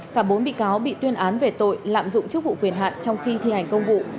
cả bốn bị cáo bị tuyên án về tội lạm dụng chức vụ quyền hạn trong khi thi hành công vụ